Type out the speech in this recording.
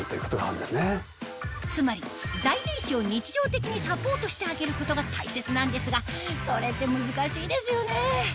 つまり大転子を日常的にサポートしてあげることが大切なんですがそれって難しいですよね